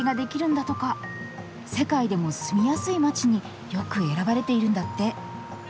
世界でも住みやすい街によく選ばれているんだって。